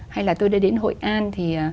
hay là tôi đã đến hội an thì